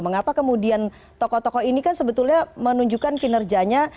mengapa kemudian tokoh tokoh ini kan sebetulnya menunjukkan kinerjanya